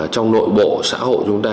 trong nội bộ xã hội chúng ta